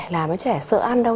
làm cho trẻ sợ ăn đâu